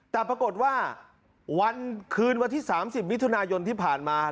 แต่ปรากฏว่าวันคืนวันที่๓๐มิถุนายนที่ผ่านมา